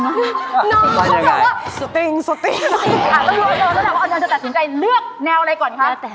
แล้วจะตัดสินใจเลือกแนวอะไรก่อนค่ะ